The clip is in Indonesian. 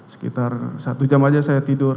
sekitar satu jam aja saya tidur